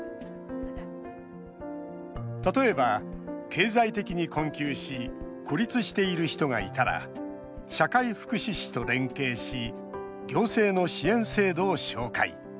例えば、経済的に困窮し孤立している人がいたら社会福祉士と連携し行政の支援制度を紹介。